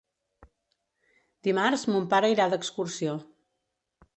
Dimarts mon pare irà d'excursió.